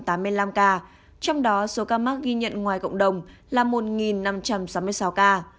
trong đó số ca mắc ghi nhận ngoài cộng đồng là một năm trăm sáu mươi sáu ca